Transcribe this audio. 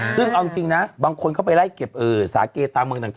ซึ่งเอาจริงนะบางคนเข้าไปไล่เก็บสาเกตามเมืองต่าง